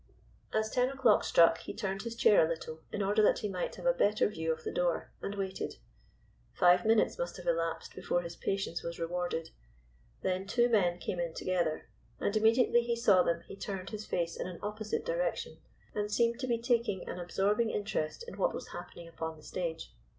As ten o'clock struck he turned his chair a little, in order that he might have a better view of the door, and waited. Five minutes must have elapsed before his patience was rewarded. Then two men came in together, and immediately he saw them he turned his face in an opposite direction, and seemed to be taking an absorbing interest in what was happening upon the stage.